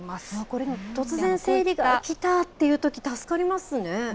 これ、突然、生理が来たっていうとき、助かりますね。